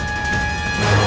terima kasih putraku